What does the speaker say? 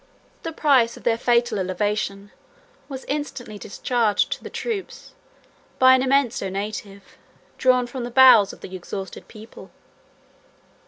The price of their fatal elevation was instantly discharged to the troops by an immense donative, drawn from the bowels of the exhausted people.